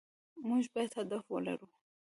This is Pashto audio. مونږ بايد هدف ولرو